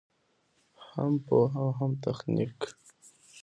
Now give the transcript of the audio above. هم پوهه او هم تخنیک.